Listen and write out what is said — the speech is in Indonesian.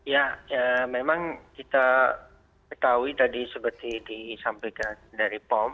ya memang kita ketahui tadi seperti disampaikan dari pom